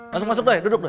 masuk masuk doi duduk doi